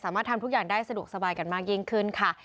ทำทุกอย่างได้สะดวกสบายกันมากยิ่งขึ้นค่ะ